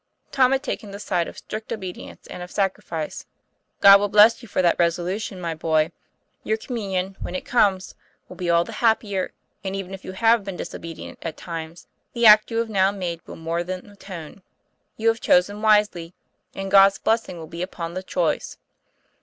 Tom had taken the side of strict obedience and of sacrifice. ''God will bless you for that resolution, my boy. Your Communion, when it comes, will be all TOM PLA YFAIR. 2OI happier; and even if you have been disobedient at times, the act you have now made will more than atone. You have chosen wisely, and God's blessing will be upon the choice."